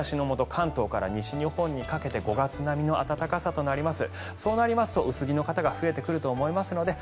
関東から西日本にかけて５月並みの暖かさとなります。